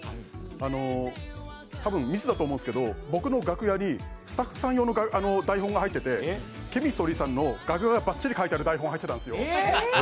あの、多分、ミスだと思うんですけど、僕の楽屋にスタッフさん用の台本が入っててＣＨＥＭＩＳＴＲＹさんの楽屋がばっちり書いてある台本があったんですよ。